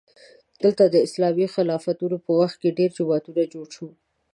دلته د اسلامي خلافتونو په وخت کې ډېر جوماتونه جوړ شوي.